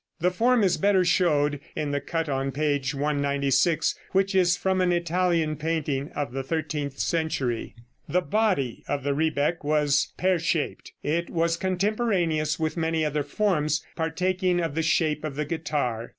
The form is better shown in the cut on page 196, which is from an Italian painting of the thirteenth century. The body of the rebec was pear shaped. It was contemporaneous with many other forms partaking of the shape of the guitar.